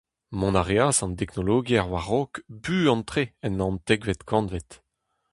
Mont a reas an deknologiezh war-raok buan-tre en naontekvet kantved.